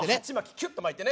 キュッと巻いてね。